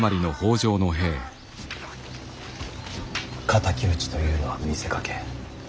敵討ちというのは見せかけ。